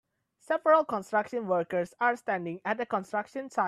Several construction workers are standing at a construction site.